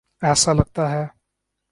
ایسا لگتا ہے۔